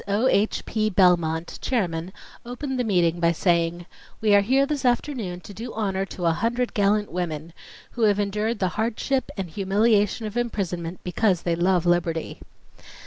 O. H. P. Belmont, chairman, opened the meeting by saying: "We are here this afternoon to do honor to a hundred gallant women, who have endured the hardship and humiliation of imprisonment because they love liberty.